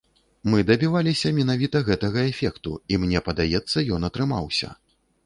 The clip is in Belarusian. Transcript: Мы дабіваліся менавіта гэтага эфекту, і, мне падаецца, ён атрымаўся.